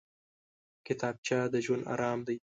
کتابچه د ژوند ارام دی